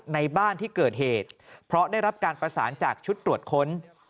ในบ้านที่เกิดเหตุเพราะได้รับการประสานจากชุดตรวจค้น